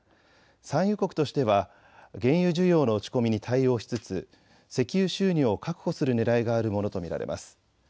産油国としては原油需要の落ち込みに対応しつつ石油収入を確保するねらいがあるものと見られます。